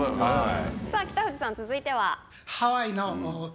さぁ北藤さん続いては？